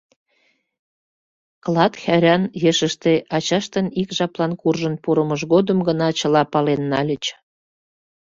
Клат хӓрран ешыште ачаштын ик жаплан куржын пурымыж годым гына чыла пален нальыч.